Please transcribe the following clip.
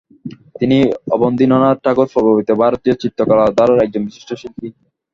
তিনি অবনীন্দ্রনাথ ঠাকুর প্রবর্তিত ভারতীয় চিত্রকলা ধারার একজন বিশিষ্ট শিল্পী।